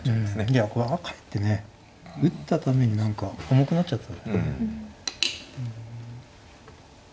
いやかえって打ったために何か重くなっちゃった。